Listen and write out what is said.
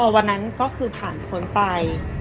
วันนั้นก็คือผ่านพ้นไป